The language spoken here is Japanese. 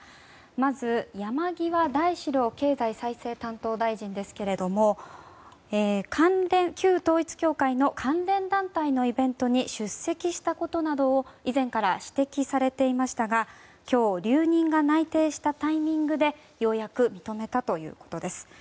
まず山際大志郎経済再生担当大臣は旧統一教会の関連団体のイベントに出席したことなどを以前から指摘されていましたが今日、留任が内定したタイミングでようやく認めたということです。